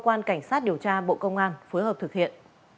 cơ quan cảnh sát điều tra bộ công an phối hợp thực hiện